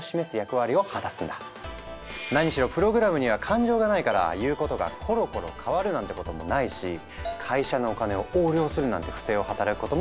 何しろプログラムには感情がないから「言うことがコロコロ変わる」なんてこともないし「会社のお金を横領する」なんて不正を働くことももちろんない。